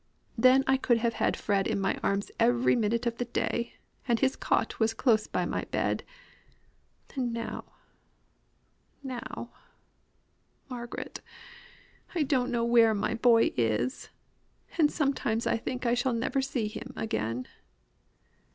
Then I could have had Fred in my arms every minute of the day, and his cot was close by my bed; and now, now Margaret I don't know where my boy is, and sometimes I think I shall never see him again."